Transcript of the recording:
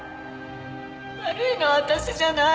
悪いのは私じゃない。